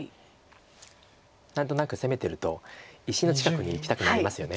何となく攻めてると石の近くにいきたくなりますよね。